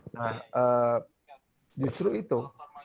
nah justru itu